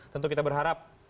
tentu kita berharap